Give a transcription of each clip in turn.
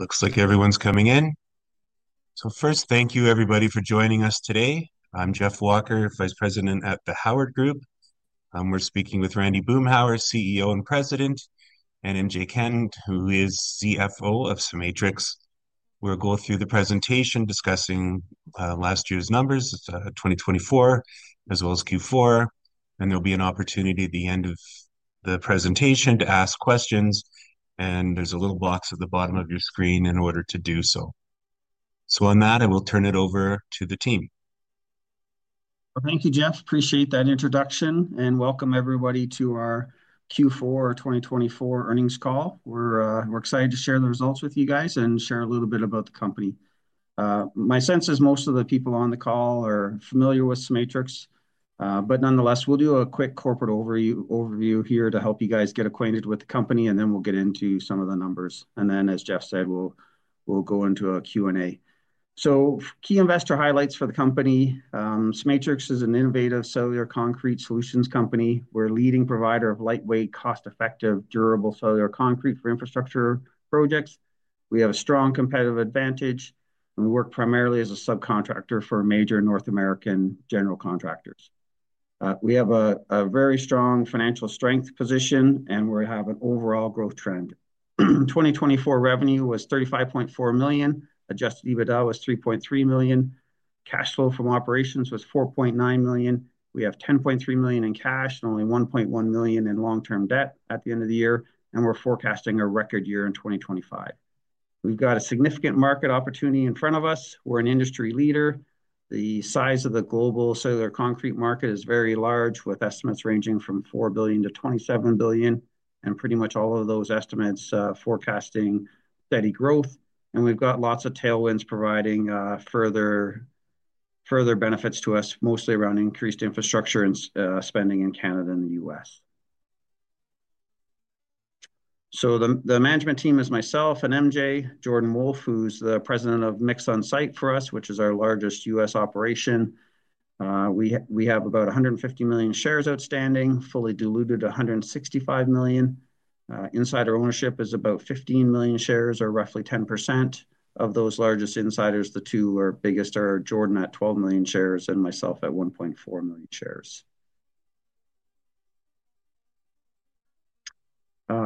Looks like everyone's coming in. First, thank you, everybody, for joining us today. I'm Jeff Walker, Vice President at The Howard Group. We're speaking with Randy Boomhour, CEO and President, and MJ Cantin, who is CFO of CEMATRIX. We'll go through the presentation discussing last year's numbers for 2024, as well as Q4. There'll be an opportunity at the end of the presentation to ask questions. There's a little box at the bottom of your screen in order to do so. On that, I will turn it over to the team. Thank you, Jeff. Appreciate that introduction. Welcome, everybody, to our Q4 2024 Earnings Call. We're excited to share the results with you guys and share a little bit about the company. My sense is most of the people on the call are familiar with CEMATRIX. Nonetheless, we'll do a quick corporate overview here to help you guys get acquainted with the company, and then we'll get into some of the numbers. As Jeff said, we'll go into a Q&A. Key investor highlights for the company: CEMATRIX is an innovative cellular concrete solutions company. We're a leading provider of lightweight, cost-effective, durable cellular concrete for infrastructure projects. We have a strong competitive advantage, and we work primarily as a subcontractor for major North American general contractors. We have a very strong financial strength position, and we have an overall growth trend. 2024 revenue was 35.4 million. Adjusted EBITDA was 3.3 million. Cash flow from operations was 4.9 million. We have 10.3 million in cash and only 1.1 million in long-term debt at the end of the year, and we're forecasting a record year in 2025. We've got a significant market opportunity in front of us. We're an industry leader. The size of the global cellular concrete market is very large, with estimates ranging from 4 billion-27 billion, and pretty much all of those estimates forecasting steady growth. We've got lots of tailwinds providing further benefits to us, mostly around increased infrastructure and spending in Canada and the U.S. The management team is myself and M.J., Jordan Wolfe, who's the President of MixOnSite USA for us, which is our largest U.S. operation. We have about 150 million shares outstanding, fully diluted to 165 million. Insider ownership is about 15 million shares, or roughly 10%. Of those largest insiders, the two biggest are Jordan at 12 million shares and myself at 1.4 million shares.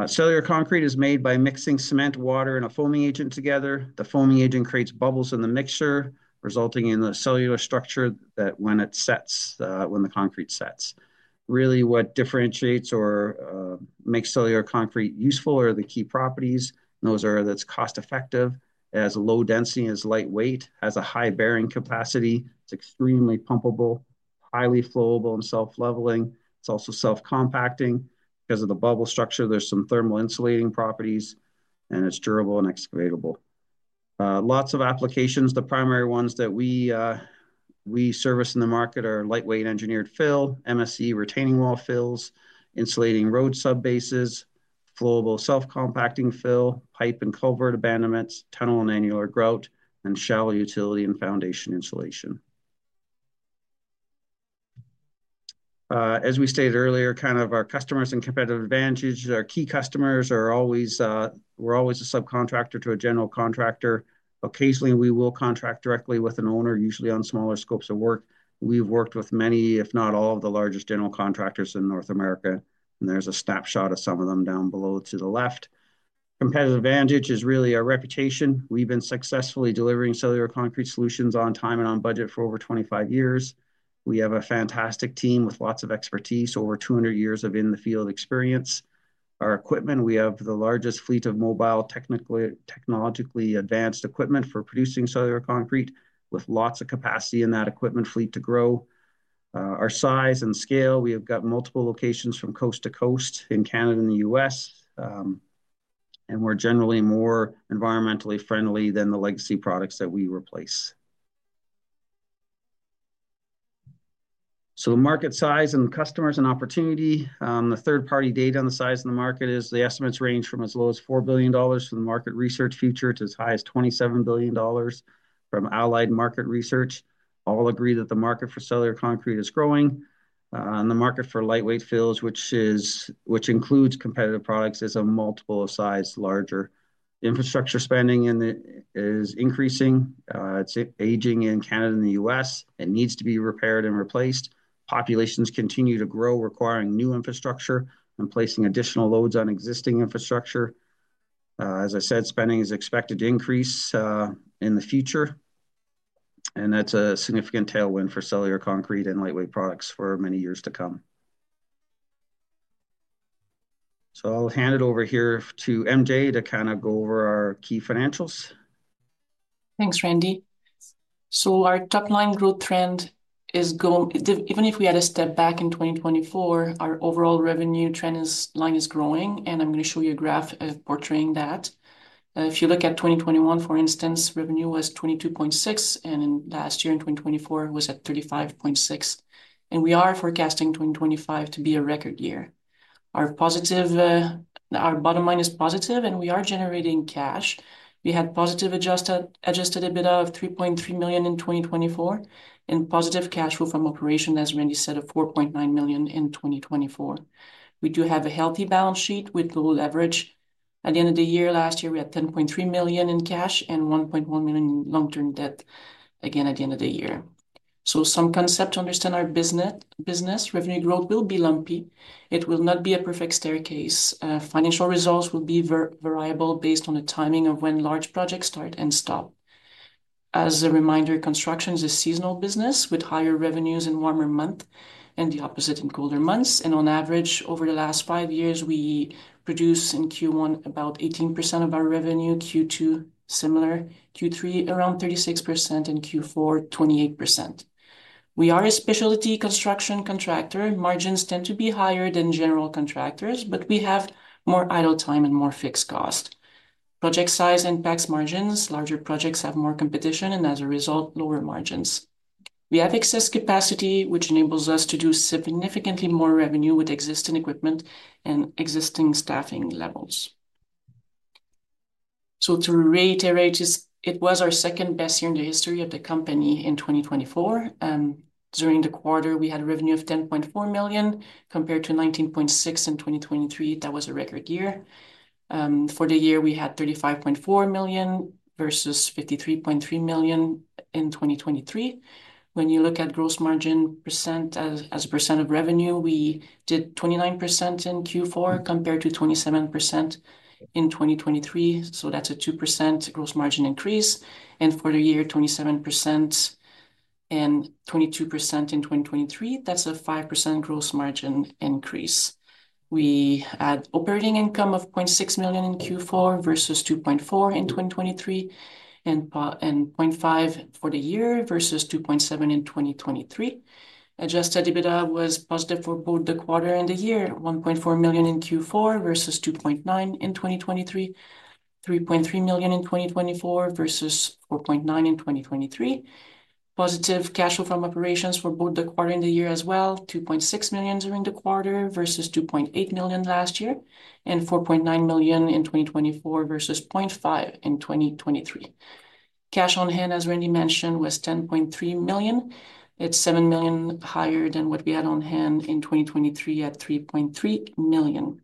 cellular concrete is made by mixing cement, water, and a foaming agent together. The foaming agent creates bubbles in the mixture, resulting in the cellular structure that, when it sets, when the concrete sets. Really, what differentiates or makes cellular concrete useful are the key properties. Those are that it's cost-effective, has a low density, is lightweight, has a high bearing capacity. It's extremely pumpable, highly flowable, and self-leveling. It's also self-compacting. Because of the bubble structure, there's some thermal insulating properties, and it's durable and excavatable. Lots of applications. The primary ones that we service in the market are lightweight engineered fill, MSE retaining wall fills, insulating road subbases, flowable self-compacting fill, pipe and culvert abandonments, tunnel and annular grout, and shallow utility and foundation insulation. As we stated earlier, kind of our customers and competitive advantages. Our key customers are always—we're always a subcontractor to a general contractor. Occasionally, we will contract directly with an owner, usually on smaller scopes of work. We've worked with many, if not all, of the largest general contractors in North America. There is a snapshot of some of them down below to the left. Competitive advantage is really our reputation. We've been successfully delivering cellular concrete solutions on time and on budget for over 25 years. We have a fantastic team with lots of expertise, over 200 years of in-the-field experience. Our equipment—we have the largest fleet of mobile, technologically advanced equipment for producing cellular concrete, with lots of capacity in that equipment fleet to grow. Our size and scale—we have got multiple locations from coast to coast in Canada and the U.S. We are generally more environmentally friendly than the legacy products that we replace. The market size and customers and opportunity. The third-party data on the size of the market is the estimates range from as low as 4 billion dollars from Market Research Future to as high as 27 billion dollars from Allied Market Research. All agree that the market for cellular concrete is growing. The market for lightweight fills, which includes competitive products, is a multiple of size larger. Infrastructure spending is increasing. It is aging in Canada and the U.S. It needs to be repaired and replaced. Populations continue to grow, requiring new infrastructure and placing additional loads on existing infrastructure. As I said, spending is expected to increase in the future. That is a significant tailwind for cellular concrete and lightweight products for many years to come. I will hand it over here to M.J. to kind of go over our key financials. Thanks, Randy. Our top-line growth trend is going—even if we had to step back in 2024, our overall revenue trend line is growing. I'm going to show you a graph portraying that. If you look at 2021, for instance, revenue was 22.6 million, and last year in 2024 was at 35.6 million. We are forecasting 2025 to be a record year. Our bottom line is positive, and we are generating cash. We had positive adjusted EBITDA of 3.3 million in 2024 and positive cash flow from operations, as Randy said, of 4.9 million in 2024. We do have a healthy balance sheet with low leverage. At the end of the year last year, we had 10.3 million in cash and 1.1 million in long-term debt again at the end of the year. Some concept to understand our business: revenue growth will be lumpy. It will not be a perfect staircase. Financial results will be variable based on the timing of when large projects start and stop. As a reminder, construction is a seasonal business with higher revenues in warmer months and the opposite in colder months. On average, over the last five years, we produced in Q1 about 18% of our revenue, Q2 similar, Q3 around 36%, and Q4 28%. We are a specialty construction contractor. Margins tend to be higher than general contractors, but we have more idle time and more fixed cost. Project size impacts margins. Larger projects have more competition and, as a result, lower margins. We have excess capacity, which enables us to do significantly more revenue with existing equipment and existing staffing levels. To reiterate, it was our second best year in the history of the company in 2024. During the quarter, we had a revenue of 10.4 million compared to 19.6 million in 2023. That was a record year. For the year, we had 35.4 million versus 53.3 million in 2023. When you look at gross margin % as a % of revenue, we did 29% in Q4 compared to 27% in 2023. That is a 2% gross margin increase. For the year, 27% and 22% in 2023, that is a 5% gross margin increase. We had operating income of 0.6 million in Q4 versus 2.4 million in 2023, and 0.5 million for the year versus 2.7 million in 2023. Adjusted EBITDA was positive for both the quarter and the year: 1.4 million in Q4 versus 2.9 million in 2023, 3.3 million in 2024 versus 4.9 million in 2023. Positive cash flow from operations for both the quarter and the year as well: 2.6 million during the quarter versus 2.8 million last year, and 4.9 million in 2024 versus 0.5 million in 2023. Cash on hand, as Randy mentioned, was 10.3 million. It is 7 million higher than what we had on hand in 2023 at 3.3 million.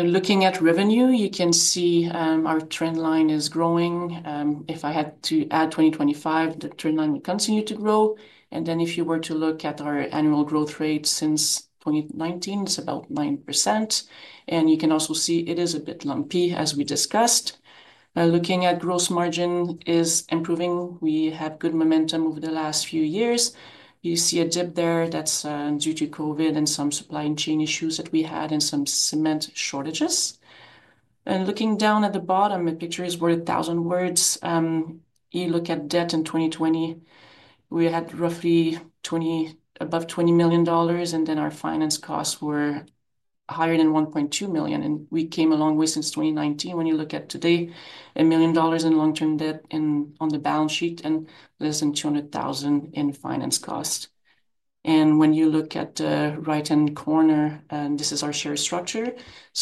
Looking at revenue, you can see our trend line is growing. If I had to add 2025, the trend line would continue to grow. If you were to look at our annual growth rate since 2019, it is about 9%. You can also see it is a bit lumpy, as we discussed. Looking at gross margin, it is improving. We have good momentum over the last few years. You see a dip there. That is due to COVID and some supply chain issues that we had and some cement shortages. Looking down at the bottom, the picture is worth a thousand words. You look at debt in 2020, we had roughly above 20 million dollars, and then our finance costs were higher than 1.2 million. We came a long way since 2019. When you look at today, 1 million dollars in long-term debt on the balance sheet and less than 200,000 in finance costs. When you look at the right-hand corner, this is our share structure.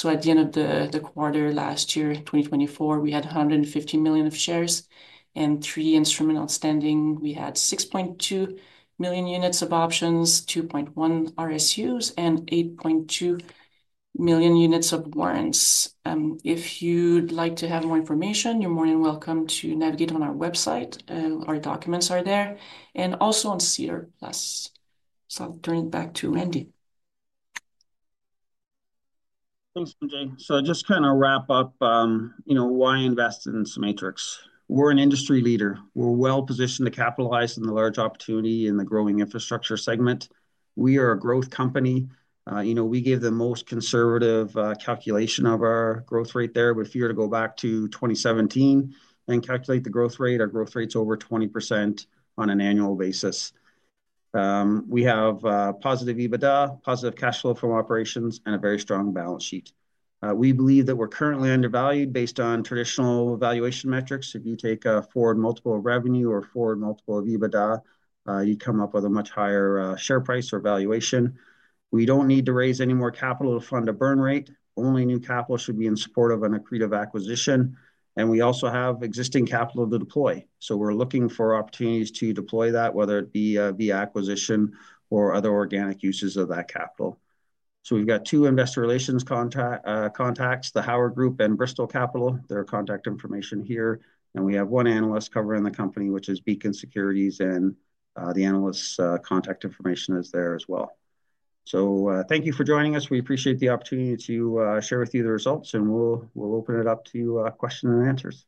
At the end of the quarter last year, 2024, we had 150 million shares and three instruments outstanding. We had 6.2 million units of options, 2.1 million RSUs, and 8.2 million units of warrants. If you'd like to have more information, you're more than welcome to navigate on our website. Our documents are there and also on SEDAR+. I'll turn it back to Randy. Thanks, M.J. To just kind of wrap up why invest in CEMATRIX. We're an industry leader. We're well-positioned to capitalize on the large opportunity in the growing infrastructure segment. We are a growth company. We give the most conservative calculation of our growth rate there. If you were to go back to 2017 and calculate the growth rate, our growth rate's over 20% on an annual basis. We have positive EBITDA, positive cash flow from operations, and a very strong balance sheet. We believe that we're currently undervalued based on traditional valuation metrics. If you take a forward multiple of revenue or forward multiple of EBITDA, you come up with a much higher share price or valuation. We don't need to raise any more capital to fund a burn rate. Only new capital should be in support of an accretive acquisition. We also have existing capital to deploy. We're looking for opportunities to deploy that, whether it be via acquisition or other organic uses of that capital. We've got two investor relations contacts, The Howard Group and Bristol Capital. Their contact information here. We have one analyst covering the company, which is Beacon Securities, and the analyst's contact information is there as well. Thank you for joining us. We appreciate the opportunity to share with you the results, and we'll open it up to questions and answers.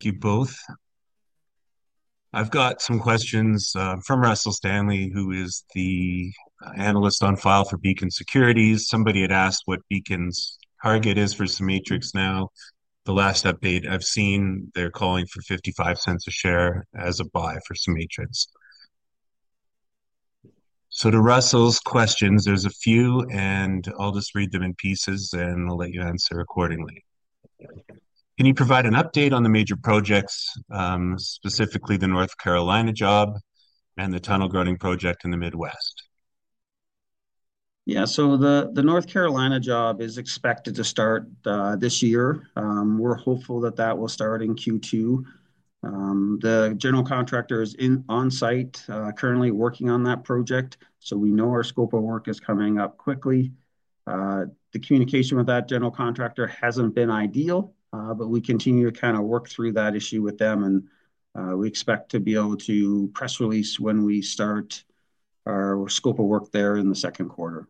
Thank you both. I've got some questions from Russell Stanley, who is the analyst on file for Beacon Securities. Somebody had asked what Beacon's target is for CEMATRIX now. The last update I've seen, they're calling for 0.55 a share as a buy for CEMATRIX. To Russell's questions, there's a few, and I'll just read them in pieces, and I'll let you answer accordingly. Can you provide an update on the major projects, specifically the North Carolina job and the tunnel grouting project in the Midwest? Yeah. The North Carolina job is expected to start this year. We're hopeful that that will start in Q2. The general contractor is on site currently working on that project. We know our scope of work is coming up quickly. The communication with that general contractor hasn't been ideal, but we continue to kind of work through that issue with them. We expect to be able to press release when we start our scope of work there in the second quarter.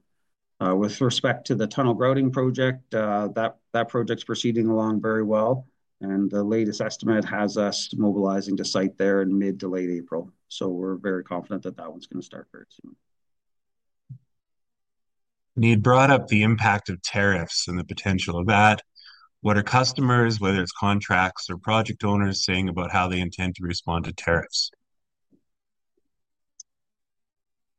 With respect to the tunnel grouting project, that project's proceeding along very well. The latest estimate has us mobilizing to site there in mid to late April. We're very confident that that one's going to start very soon. You brought up the impact of tariffs and the potential of that. What are customers, whether it's contracts or project owners, saying about how they intend to respond to tariffs?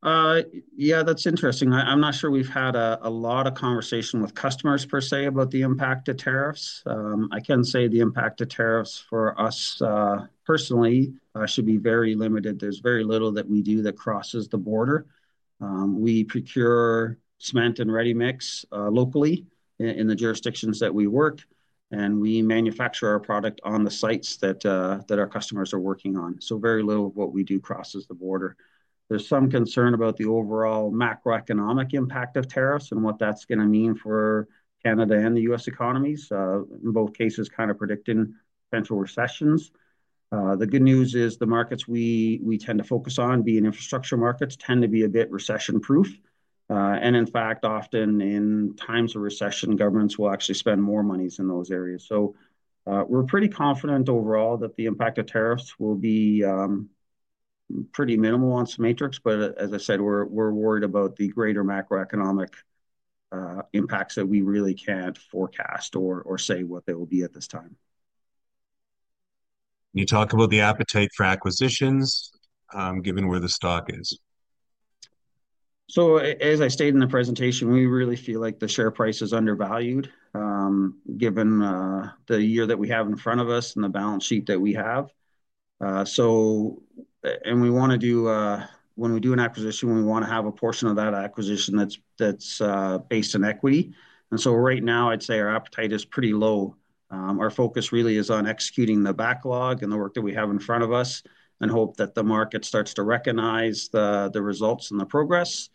Yeah, that's interesting. I'm not sure we've had a lot of conversation with customers, per se, about the impact of tariffs. I can say the impact of tariffs for us personally should be very limited. There's very little that we do that crosses the border. We procure cement and ready-mix locally in the jurisdictions that we work, and we manufacture our product on the sites that our customers are working on. Very little of what we do crosses the border. There's some concern about the overall macroeconomic impact of tariffs and what that's going to mean for Canada and the U.S. economies, in both cases kind of predicting potential recessions. The good news is the markets we tend to focus on, being infrastructure markets, tend to be a bit recession-proof. In fact, often in times of recession, governments will actually spend more money in those areas. We're pretty confident overall that the impact of tariffs will be pretty minimal on CEMATRIX. As I said, we're worried about the greater macroeconomic impacts that we really can't forecast or say what they will be at this time. Can you talk about the appetite for acquisitions given where the stock is? As I stated in the presentation, we really feel like the share price is undervalued given the year that we have in front of us and the balance sheet that we have. We want to do, when we do an acquisition, we want to have a portion of that acquisition that's based in equity. Right now, I'd say our appetite is pretty low. Our focus really is on executing the backlog and the work that we have in front of us and hope that the market starts to recognize the results and the progress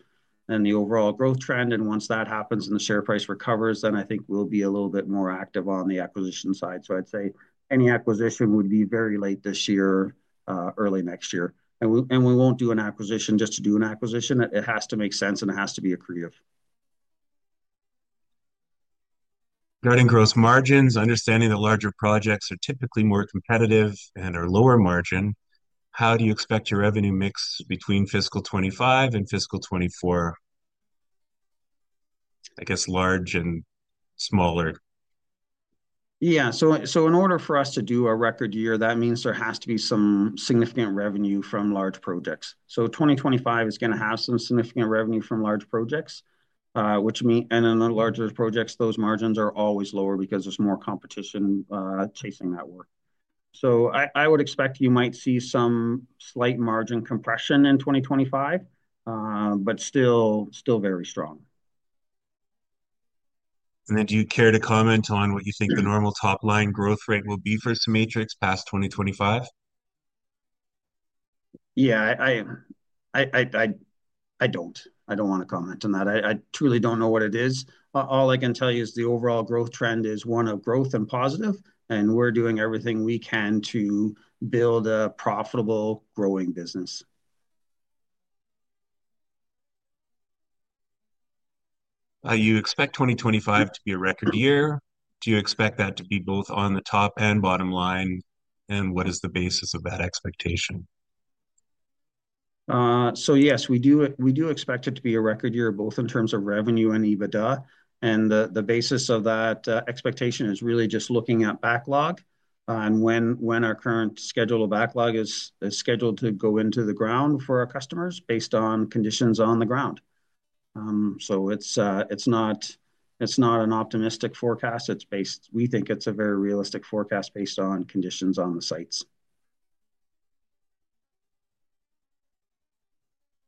and the overall growth trend. Once that happens and the share price recovers, then I think we'll be a little bit more active on the acquisition side. I'd say any acquisition would be very late this year, early next year. We will not do an acquisition just to do an acquisition. It has to make sense, and it has to be accretive. Regarding gross margins, understanding that larger projects are typically more competitive and are lower margin, how do you expect your revenue mix between fiscal 2025 and fiscal 2024? I guess large and smaller. Yeah. In order for us to do a record year, that means there has to be some significant revenue from large projects. 2025 is going to have some significant revenue from large projects. In the larger projects, those margins are always lower because there's more competition chasing that work. I would expect you might see some slight margin compression in 2025, but still very strong. Do you care to comment on what you think the normal top-line growth rate will be for CEMATRIX past 2025? Yeah, I don't. I don't want to comment on that. I truly don't know what it is. All I can tell you is the overall growth trend is one of growth and positive, and we're doing everything we can to build a profitable growing business. You expect 2025 to be a record year. Do you expect that to be both on the top and bottom line, and what is the basis of that expectation? Yes, we do expect it to be a record year, both in terms of revenue and EBITDA. The basis of that expectation is really just looking at backlog and when our current schedule of backlog is scheduled to go into the ground for our customers based on conditions on the ground. It is not an optimistic forecast. We think it is a very realistic forecast based on conditions on the sites.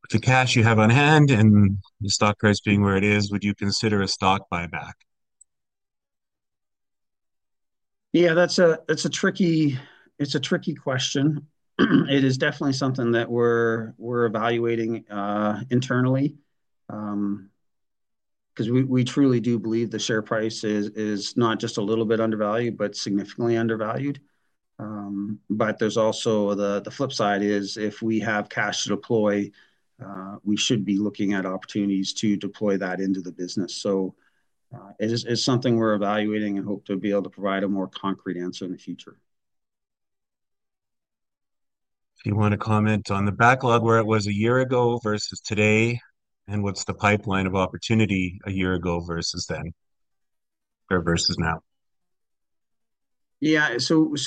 With the cash you have on hand and the stock price being where it is, would you consider a stock buyback? Yeah, that's a tricky question. It is definitely something that we're evaluating internally because we truly do believe the share price is not just a little bit undervalued, but significantly undervalued. There is also the flip side, if we have cash to deploy, we should be looking at opportunities to deploy that into the business. It is something we're evaluating and hope to be able to provide a more concrete answer in the future. Do you want to comment on the backlog where it was a year ago versus today, and what's the pipeline of opportunity a year ago versus then or versus now? Yeah.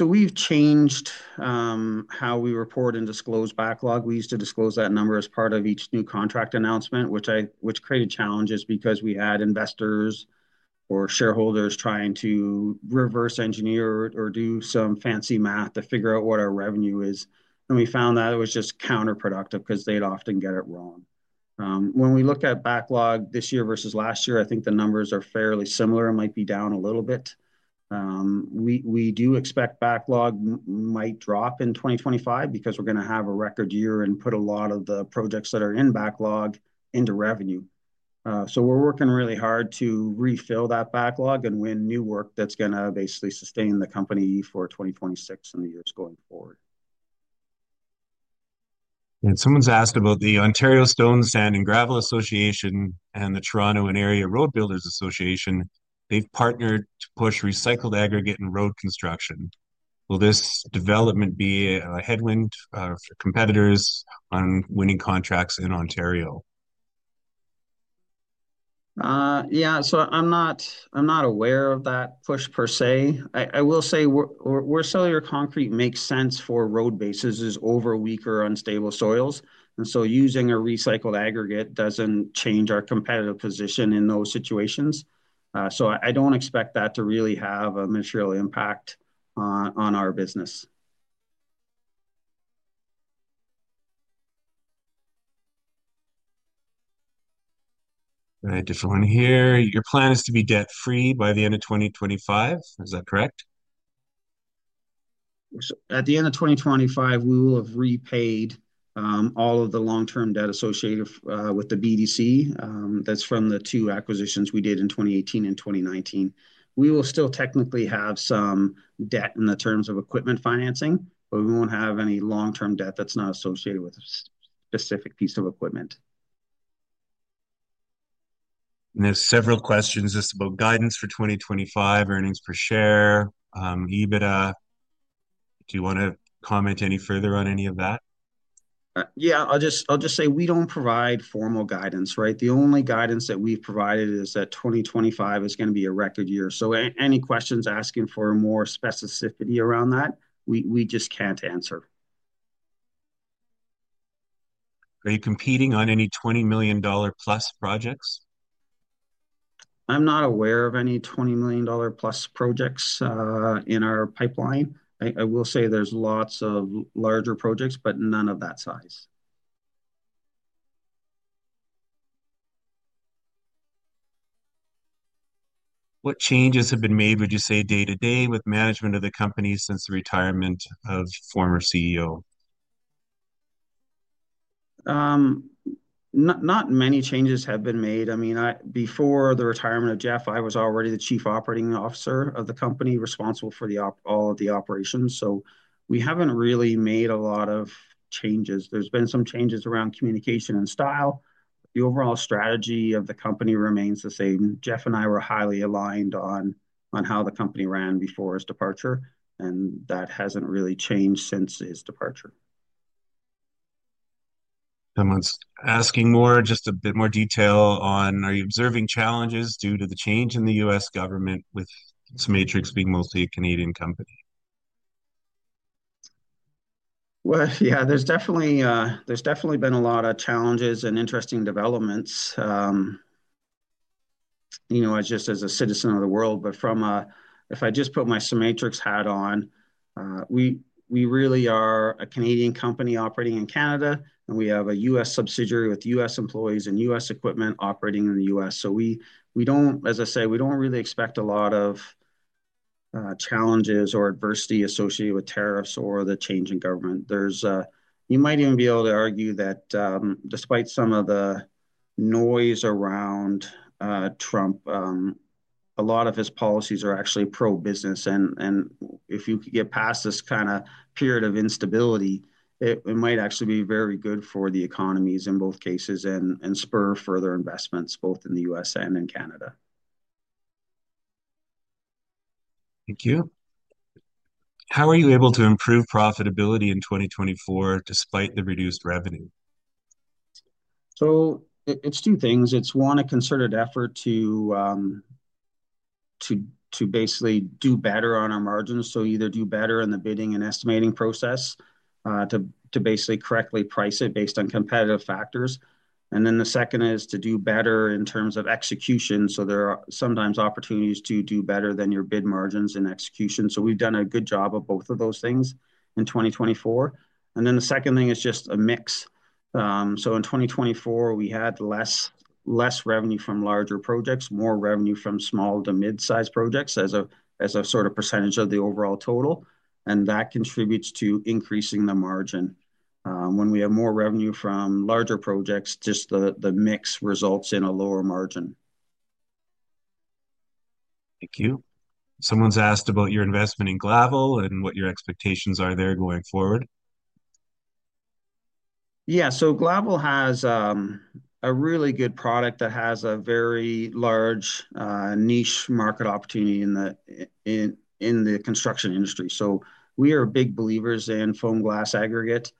We have changed how we report and disclose backlog. We used to disclose that number as part of each new contract announcement, which created challenges because we had investors or shareholders trying to reverse engineer or do some fancy math to figure out what our revenue is. We found that it was just counterproductive because they would often get it wrong. When we look at backlog this year versus last year, I think the numbers are fairly similar and might be down a little bit. We do expect backlog might drop in 2025 because we are going to have a record year and put a lot of the projects that are in backlog into revenue. We are working really hard to refill that backlog and win new work that is going to basically sustain the company for 2026 and the years going forward. Someone's asked about the Ontario Stone Sand and Gravel Association and the Toronto and Area Road Builders Association. They've partnered to push recycled aggregate and road construction. Will this development be a headwind for competitors on winning contracts in Ontario? Yeah. I'm not aware of that push, per se. I will say where cellular concrete makes sense for road bases is over weak or unstable soils. Using a recycled aggregate doesn't change our competitive position in those situations. I don't expect that to really have a material impact on our business. All right. Just one here. Your plan is to be debt-free by the end of 2025. Is that correct? At the end of 2025, we will have repaid all of the long-term debt associated with the BDC that is from the two acquisitions we did in 2018 and 2019. We will still technically have some debt in the terms of equipment financing, but we will not have any long-term debt that is not associated with a specific piece of equipment. There are several questions just about guidance for 2025, earnings per share, EBITDA. Do you want to comment any further on any of that? Yeah. I'll just say we don't provide formal guidance, right? The only guidance that we've provided is that 2025 is going to be a record year. Any questions asking for more specificity around that, we just can't answer. Are you competing on any 20 million dollar-plus projects? I'm not aware of any 20 million dollar-plus projects in our pipeline. I will say there's lots of larger projects, but none of that size. What changes have been made, would you say, day-to-day with management of the company since the retirement of former CEO? Not many changes have been made. I mean, before the retirement of Jeff, I was already the Chief Operating Officer of the company responsible for all of the operations. So we haven't really made a lot of changes. There's been some changes around communication and style. The overall strategy of the company remains the same. Jeff and I were highly aligned on how the company ran before his departure, and that hasn't really changed since his departure. Someone's asking more, just a bit more detail on, are you observing challenges due to the change in the U.S. government with CEMATRIX being mostly a Canadian company? Yeah, there's definitely been a lot of challenges and interesting developments just as a citizen of the world. If I just put my CEMATRIX hat on, we really are a Canadian company operating in Canada, and we have a U.S. subsidiary with U.S. employees and U.S. equipment operating in the U.S. As I say, we don't really expect a lot of challenges or adversity associated with tariffs or the change in government. You might even be able to argue that despite some of the noise around Trump, a lot of his policies are actually pro-business. If you could get past this kind of period of instability, it might actually be very good for the economies in both cases and spur further investments both in the U.S. and in Canada. Thank you. How are you able to improve profitability in 2024 despite the reduced revenue? It is two things. It is, one, a concerted effort to basically do better on our margins. Either do better in the bidding and estimating process to basically correctly price it based on competitive factors. The second is to do better in terms of execution. There are sometimes opportunities to do better than your bid margins in execution. We have done a good job of both of those things in 2024. The second thing is just a mix. In 2024, we had less revenue from larger projects, more revenue from small to mid-sized projects as a sort of percentage of the overall total. That contributes to increasing the margin. When we have more revenue from larger projects, just the mix results in a lower margin. Thank you. Someone's asked about your investment in Glavel and what your expectations are there going forward. Yeah. Glavel has a really good product that has a very large niche market opportunity in the construction industry. We are big believers in foam glass aggregate.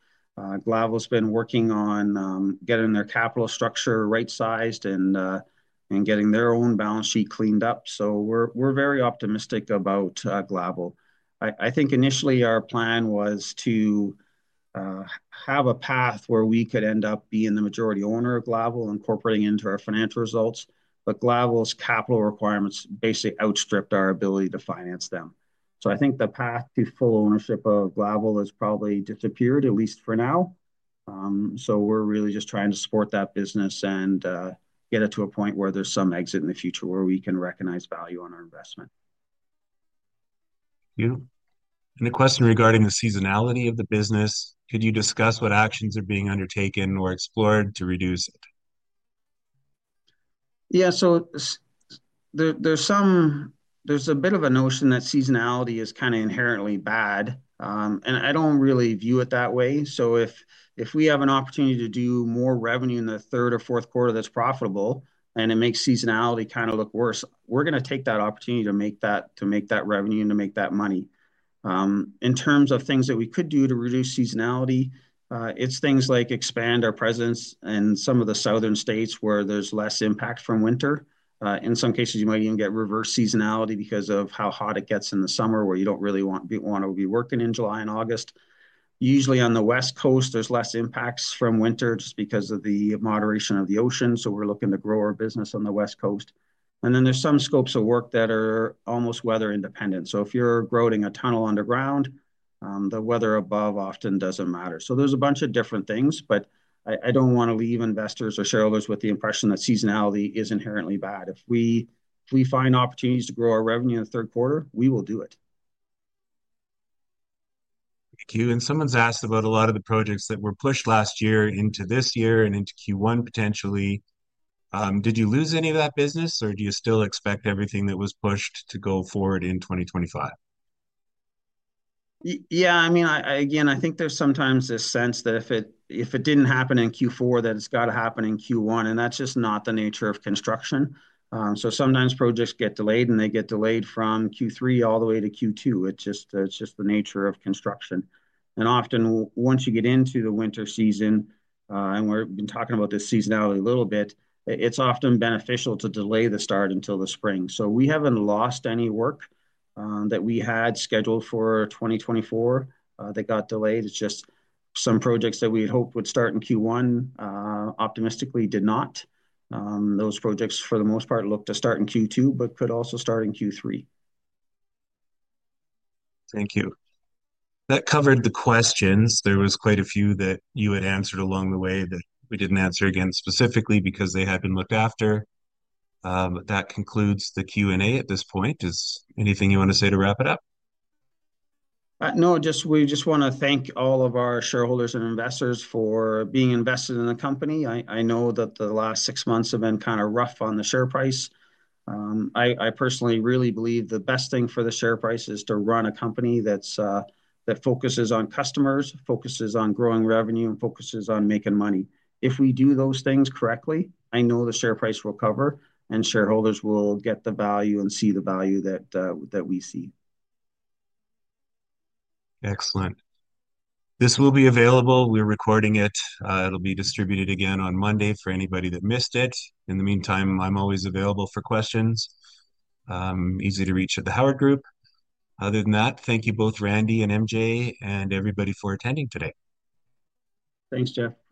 Glavel's been working on getting their capital structure right-sized and getting their own balance sheet cleaned up. We are very optimistic about Glavel. I think initially our plan was to have a path where we could end up being the majority owner of Glavel, incorporating into our financial results. Glavel's capital requirements basically outstripped our ability to finance them. I think the path to full ownership of Glavel has probably disappeared, at least for now. We are really just trying to support that business and get it to a point where there is some exit in the future where we can recognize value on our investment. Thank you. A question regarding the seasonality of the business. Could you discuss what actions are being undertaken or explored to reduce it? Yeah. There is a bit of a notion that seasonality is kind of inherently bad. I do not really view it that way. If we have an opportunity to do more revenue in the third or fourth quarter that is profitable and it makes seasonality kind of look worse, we are going to take that opportunity to make that revenue and to make that money. In terms of things that we could do to reduce seasonality, it is things like expand our presence in some of the southern states where there is less impact from winter. In some cases, you might even get reverse seasonality because of how hot it gets in the summer where you do not really want to be working in July and August. Usually, on the West Coast, there is less impact from winter just because of the moderation of the ocean. We are looking to grow our business on the West Coast. There are some scopes of work that are almost weather-independent. If you are routing a tunnel underground, the weather above often does not matter. There are a bunch of different things, but I do not want to leave investors or shareholders with the impression that seasonality is inherently bad. If we find opportunities to grow our revenue in the third quarter, we will do it. Thank you. Someone's asked about a lot of the projects that were pushed last year into this year and into Q1 potentially. Did you lose any of that business, or do you still expect everything that was pushed to go forward in 2025? Yeah. I mean, again, I think there's sometimes this sense that if it didn't happen in Q4, then it's got to happen in Q1. That's just not the nature of construction. Sometimes projects get delayed, and they get delayed from Q3 all the way to Q2. It's just the nature of construction. Often, once you get into the winter season, and we've been talking about this seasonality a little bit, it's often beneficial to delay the start until the spring. We haven't lost any work that we had scheduled for 2024 that got delayed. It's just some projects that we had hoped would start in Q1 optimistically did not. Those projects, for the most part, look to start in Q2, but could also start in Q3. Thank you. That covered the questions. There was quite a few that you had answered along the way that we did not answer again specifically because they had been looked after. That concludes the Q&A at this point. Is there anything you want to say to wrap it up? No. We just want to thank all of our shareholders and investors for being invested in the company. I know that the last six months have been kind of rough on the share price. I personally really believe the best thing for the share price is to run a company that focuses on customers, focuses on growing revenue, and focuses on making money. If we do those things correctly, I know the share price will recover, and shareholders will get the value and see the value that we see. Excellent. This will be available. We're recording it. It'll be distributed again on Monday for anybody that missed it. In the meantime, I'm always available for questions. Easy to reach at The Howard Group. Other than that, thank you both, Randy and MJ, and everybody for attending today. Thanks, Jeff.